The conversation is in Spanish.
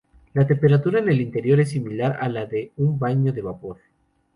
La temperatura en el interior es similar a la de un baño de vapor.